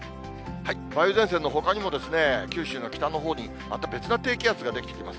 梅雨前線のほかにも九州の北のほうにまた別な低気圧が出来てきます。